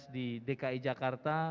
di dki jakarta